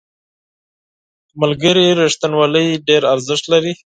• د ملګري رښتینولي ډېر ارزښت لري.